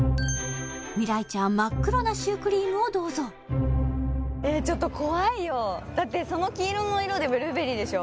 未来ちゃんは真っ黒なシュークリームをどうぞえーちょっと怖いよだってその黄色の色でブルーベリーでしょ